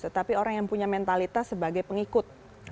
tetapi orang yang punya mentalitas sebagai pengikut